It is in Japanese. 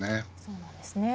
そうなんですね。